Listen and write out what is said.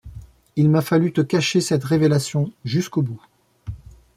Il m’a fallu te cacher cette révélation jusqu’au bout.